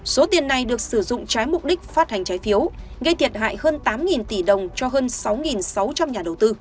số tiền này được sử dụng trái mục đích phát hành trái phiếu gây thiệt hại hơn tám tỷ đồng cho hơn sáu sáu trăm linh nhà đầu tư